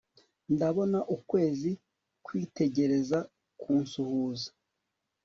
ndabona ukwezi kwitegereza kunsuhuza